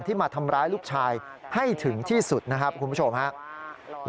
มาทำร้ายลูกชายให้ถึงที่สุดนะครับคุณผู้ชมครับ